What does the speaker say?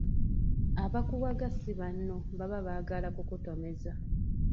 Abakuwaga si banno baba baagala kukutomeza.